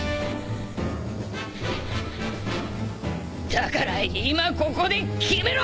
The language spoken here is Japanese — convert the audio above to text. だから今ここで決めろ！